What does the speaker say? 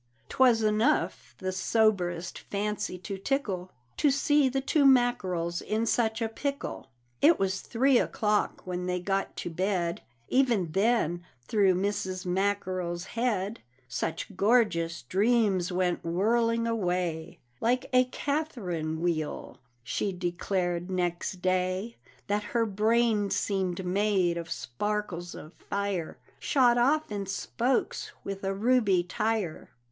'Twas enough the soberest fancy to tickle To see the two Mackerels in such a pickle! It was three o'clock when they got to bed; Even then through Mrs. Mackerel's head Such gorgeous dreams went whirling away, "Like a Catherine wheel," she declared next day, "That her brain seemed made of sparkles of fire Shot off in spokes, with a ruby tire."